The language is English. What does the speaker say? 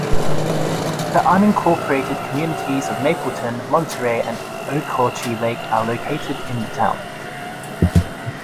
The unincorporated communities of Mapleton, Monterey, and Okauchee Lake, are located in the town.